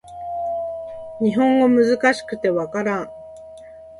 日本語難しくて分からん